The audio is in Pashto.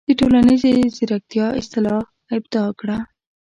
د"ټولنیزې زیرکتیا" اصطلاح ابداع کړه.